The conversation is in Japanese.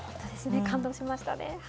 感動しましたね。